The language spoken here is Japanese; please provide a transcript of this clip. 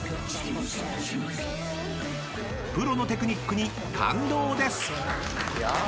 ［プロのテクニックに感動です］